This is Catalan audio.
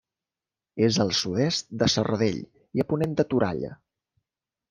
És al sud-est de Serradell i a ponent de Toralla.